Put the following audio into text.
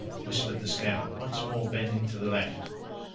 whispered the scout, once more bending to the left.